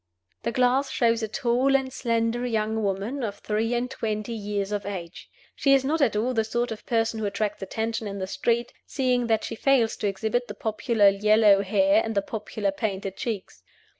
The glass shows a tall and slender young woman of three and twenty years of age. She is not at all the sort of person who attracts attention in the street, seeing that she fails to exhibit the popular yellow hair and the popular painted cheeks.